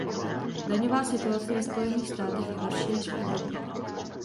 Daňová situace ve Spojených státech je horší než v Evropě.